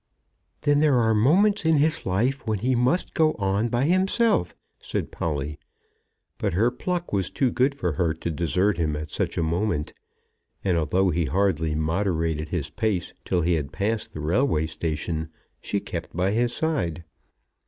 "Then there are moments in his life when he must go on by himself," said Polly. But her pluck was too good for her to desert him at such a moment, and, although he hardly moderated his pace till he had passed the railway station, she kept by his side.